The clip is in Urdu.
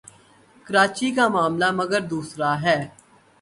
کراچی کا معاملہ مگر دوسرا ہے۔